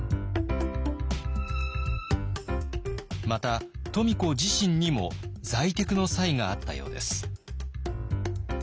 また富子自身にも財テクの才があったようです。